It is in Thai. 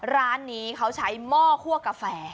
ร้านนี้เขาใช้หม้อคั่วกาแฟ